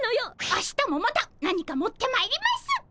明日もまた何か持ってまいります。